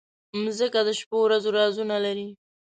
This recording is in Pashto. مځکه د شپو ورځو رازونه لري.